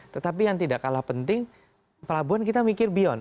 tetapi yang tidak kalah penting pelabuhan kita mikir beyond